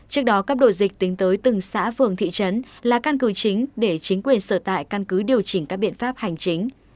trước đó cấp đổi dịch tính tới từng xã phường thị trấn là căn cứ chính để chính quyền sở tại căn cứ điều chỉnh các biện pháp hành chính